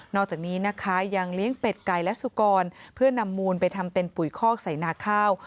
อกจากนี้นะคะยังเลี้ยงเป็ดไก่และสุกรเพื่อนำมูลไปทำเป็นปุ๋ยคอกใส่นาข้าว